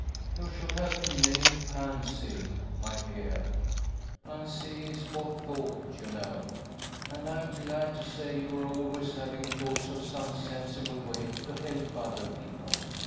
" You should have been named Pansy, my dear. Pensee is for thought, you know, and I'm glad to say you are always having thoughts of some sensible way to help other people.